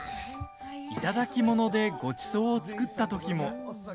頂き物でごちそうを作ったときも。